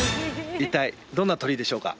一体どんな鳥居でしょうか？